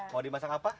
mau dimasak apa